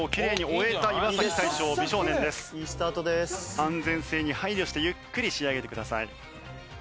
安全性に配慮してゆっくり仕上げてください。